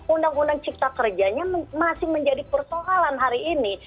undang undang cipta kerjanya masih menjadi persoalan hari ini